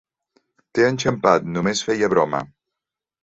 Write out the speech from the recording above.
T'he enxampat, només feia broma!